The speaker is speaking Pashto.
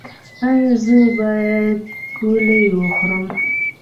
ایا زه باید ګولۍ وخورم؟